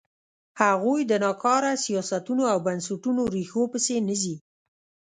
هغوی د ناکاره سیاستونو او بنسټونو ریښو پسې نه ځي.